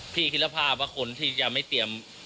พี่คิดภาพว่าคนที่จะไม่เตรียม